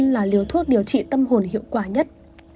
là liều thuốc điều trị tâm hồn hiệu quả nhất